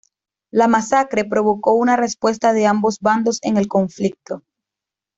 La masacre provocó una respuesta de ambos bandos en el conflicto.